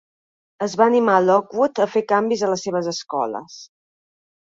Es va animar a Lockwood a fer canvis a les seves escoles.